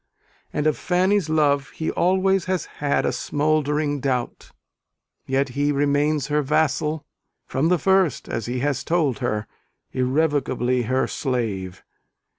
And of Fanny's love he always has had a smouldering doubt: yet he remains her vassal, from the first, as he has told her irrevocably her slave.